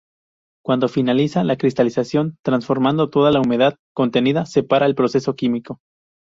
Cuando finaliza la cristalización, transformando toda la humedad contenida, se para el proceso químico.